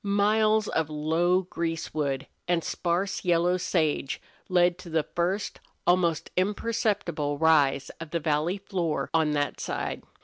Miles of low greasewood and sparse yellow sage led to the first almost imperceptible rise of the valley floor on that side.